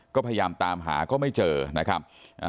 ก็พยายามตามหาก็ไม่เจอนะครับ